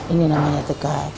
ini namanya tekat